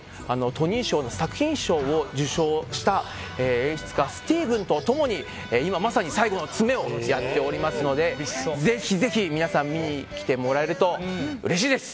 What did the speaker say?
トニー賞作品賞を受賞した演出家スティーヴンと共に今まさに最後の詰めをやっておりますのでぜひぜひ皆さん見に来てもらえるとうれしいです。